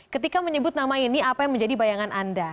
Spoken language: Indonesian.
ketika menyebut nama ini apa yang menjadi bayangan anda